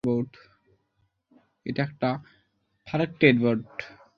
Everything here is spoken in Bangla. এটা একটা ফার্কটেট বোর্ড, যেখানে আমার অক্ষর রেখেছি।